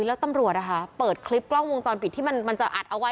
แล้วตำรวจเปิดคลิปกล้องวงจรปิดที่มันจะอัดเอาไว้